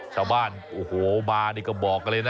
ชาวบ้านโอ้โหบาร์นี่ก็บอกเลยนะ